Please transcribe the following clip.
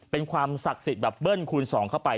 เป็นความศักดิ์สิทธิ์แบบเบิ้ลคูณสองเข้าไป